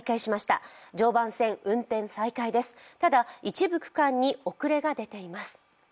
ただ、一部区間に遅れが出ています。